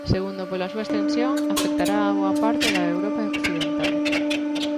Segundo pola súa extensión: afectará a boa parte da Europa occidental.